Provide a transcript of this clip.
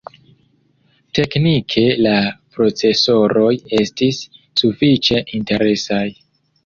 Teknike la procesoroj estis sufiĉe interesaj.